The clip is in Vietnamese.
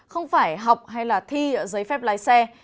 không phải học hay là thi giấy phép lái xe